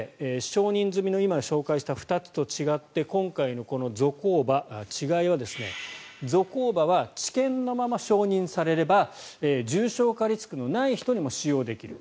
承認済みの今紹介した２つと違って今回のゾコーバ、違いはゾコーバは治験のまま承認されれば重症化リスクのない人にも使用できる。